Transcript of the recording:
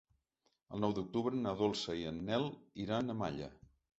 El nou d'octubre na Dolça i en Nel iran a Malla.